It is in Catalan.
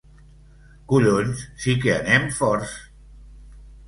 Collons, sí que anem forts!